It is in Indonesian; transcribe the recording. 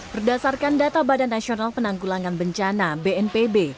berdasarkan data badan nasional penanggulangan bencana bnpb